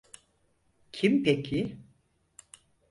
Kim peki?